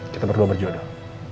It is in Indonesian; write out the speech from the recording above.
kita berdua berjodoh